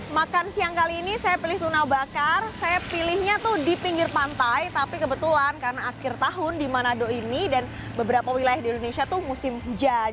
makan siang kali ini saya pilih tuna bakar saya pilihnya tuh di pinggir pantai tapi kebetulan karena akhir tahun di manado ini dan beberapa wilayah di indonesia tuh musim hujan